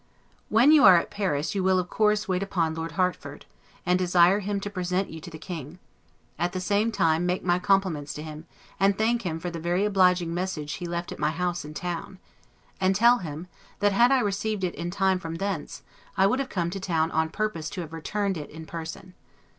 When you are at Paris, you will of course wait upon Lord Hertford, and desire him to present you to the King; at the same time make my compliments to him, and thank him for the very obliging message he left at my house in town; and tell him, that, had I received it in time from thence, I would have come to town on purpose to have returned it in person.